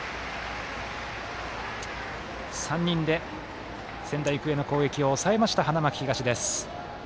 ３人で、仙台育英の攻撃を抑えました、花巻東です。